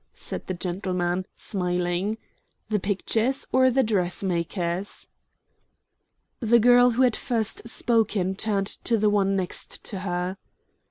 said the gentleman, smiling. "The pictures or the dressmakers?" The girl who had first spoken turned to the one next to her.